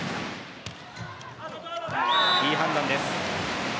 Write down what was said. いい判断です。